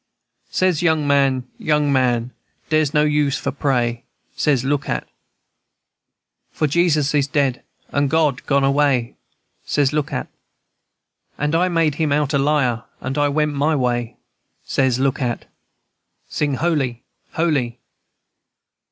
Says, young man, young man, dere's no use for pray, Says, look at, &c. For Jesus is dead, and God gone away, Says, look at, &c. And I made him out a liar, and I went my way, Says, look at, &c. Sing holy, holy!